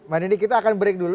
mbak neni kita akan break dulu